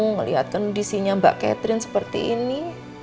ngeliatkan disinya mbak catherine seperti ini